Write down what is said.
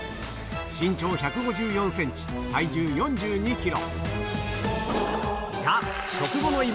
身長１５４センチ、体重４２キロ。